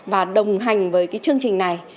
và đồng hành với chương trình này